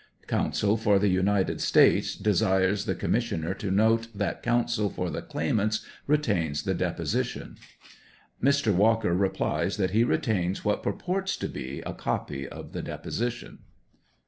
] [Counsel for the United States desires the commis sioner to note that counsel for the claimants retains the deposition.] [Mr. Walker replies that he retains what purports to be a copy of the deposition.